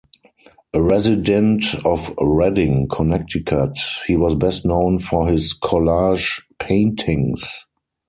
A resident of Redding, Connecticut, he was best known for his collage paintings.